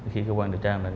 khi cơ quan điều tra